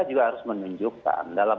juga harus menunjukkan dalam